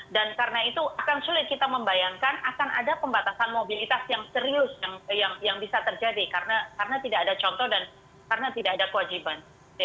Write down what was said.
dan karena itu akan sulit kita membayangkan akan ada pembatasan mobilitas yang serius yang bisa terjadi karena tidak ada contoh dan karena tidak ada kewajiban